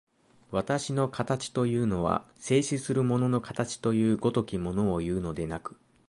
私の形というのは、静止する物の形という如きものをいうのでなく、